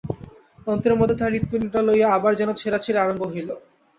অন্তরের মধ্যে তাহার হৃৎপিণ্ডটা লইয়া আবার যেন ছেঁড়াছেঁড়ি আরম্ভ হইল।